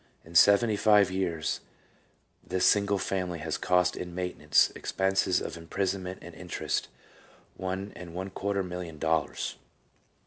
In seventy five years this single family has cost in maintenance, expenses of imprisonment and interest, one and one quarter million dollars.